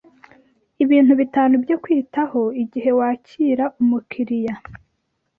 Ibintu bitanu byo kwitaho igihe wakira umukiliya